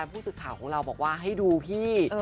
ผู้สื่อข่าวของเราบอกว่าให้ดูพี่